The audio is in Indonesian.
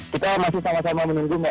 kita masih sama sama menunggu mbak